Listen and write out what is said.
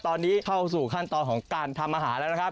ตอนนี้เข้าสู่ขั้นตอนของการทำอาหารแล้วนะครับ